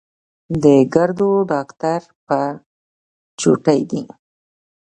د ګردو ډاکټر په چوټۍ دی